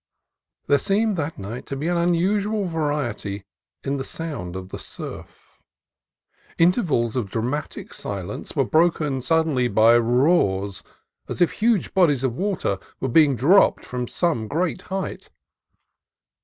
There seemed that night to be an unusual vari ety in the sound of the surf. Intervals of dramatic silence were broken suddenly by roars as if huge bodies of water were being dropped from some great height.